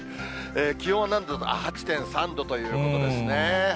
気温は何度だ、８．３度ということですね。